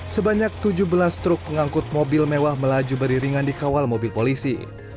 sebanyak tujuh belas truk pengangkut mobil mewah melaju beriringan di kawal mobil polisi